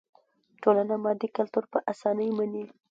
ټولنه مادي کلتور په اسانۍ مني.